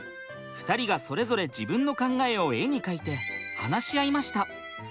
２人がそれぞれ自分の考えを絵に描いて話し合いました。